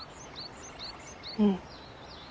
うん。